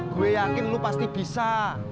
gue yakin lu pasti bisa